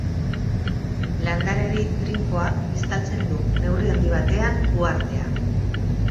Landaredi trinkoak estaltzen du, neurri handi batean, uhartea.